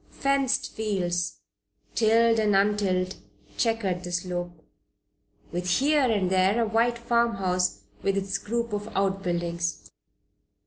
Fenced fields, tilled and untilled, checkered the slope, with here and there a white farmhouse with its group of outbuildings.